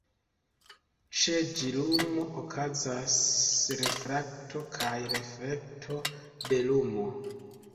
Ĉe ĝi lumo okazas refrakto kaj reflekto de lumo.